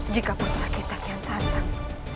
jika putra kita kian santang